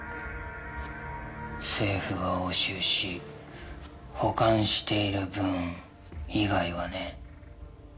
政府が押収し保管している分以外はね。